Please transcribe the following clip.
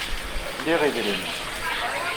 Liɣ idrimen.